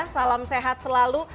salam sehat selalu